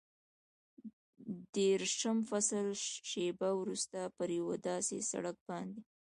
دېرشم فصل، شېبه وروسته پر یو داسې سړک باندې.